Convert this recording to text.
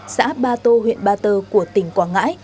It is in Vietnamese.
xã ba tô huyện ba tơ của tỉnh quảng ngãi